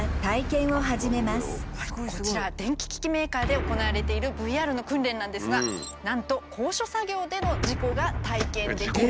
こちら電気機器メーカーで行われているＶＲの訓練なんですがなんと高所作業での事故が体験できる。